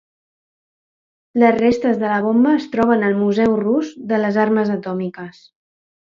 Les restes de la bomba es troben al museu rus de les armes atòmiques.